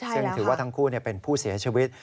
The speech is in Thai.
ซึ่งถือว่าทั้งคู่เป็นผู้เสียชีวิต